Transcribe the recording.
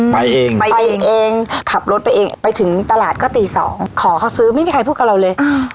ไปเองไปเองเองขับรถไปเองไปถึงตลาดก็ตีสองขอเขาซื้อไม่มีใครพูดกับเราเลย